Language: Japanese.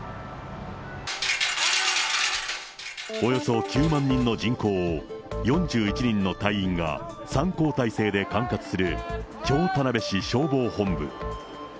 およそ９万人の人口を、４１人の隊員が３交代制で管轄する京田辺市消防本部。